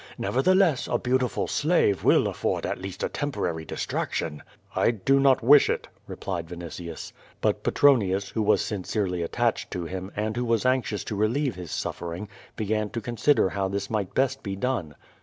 Nevertheless, a beautiful slave will afford at least a temporary distraction." "I do not wish it," replied Vinitius. But Petronius, who was sincerely attached to him, and who was anxious to relieve his suffering, began to consider how this might best be done.